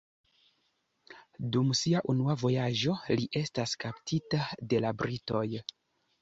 Dum sia unua vojaĝo li estas kaptita de la britoj.